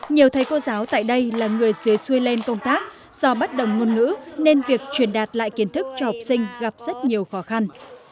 nhiều thầy cô giáo tại đây là người dưới xuôi lên công tác do bắt đồng ngôn ngữ nên việc truyền đạt lại kiến thức cho học sinh gặp rất nhiều khó khăn